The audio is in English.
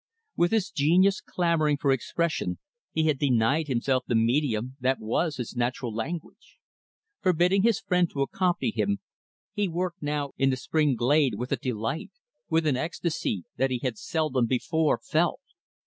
With his genius clamoring for expression, he had denied himself the medium that was his natural language. Forbidding his friend to accompany him, he worked now in the spring glade with a delight with an ecstasy that he had seldom, before, felt.